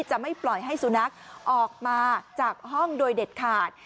จะไม่ปล่อยให้สุนัขออกมาจากห้องโดยเด็ดขาด